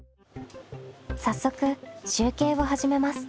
早速集計を始めます。